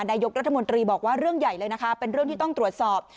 นายกรัฐมนตรีบอกว่าเรื่องใหญ่เลยนะคะเป็นเรื่องที่ต้องตรวจสอบ